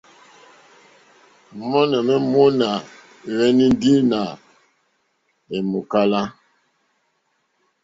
Mɔ̌ɲɛ̀ mó mòná hwɛ́nɛ́ ndí nà è mòkálá.